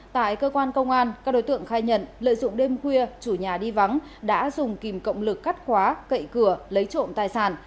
tại cơ quan công an các đối tượng khai nhận lợi dụng đêm khuya chủ nhà đi vắng đã dùng kìm cộng lực cắt khóa cậy cửa lấy trộm tài sản